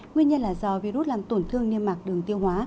nguyên nhân là do virus làm tổn thương niêm mạc đường tiêu hóa